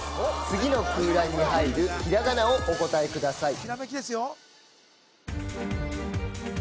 次の空欄に入るひらがなをお答えください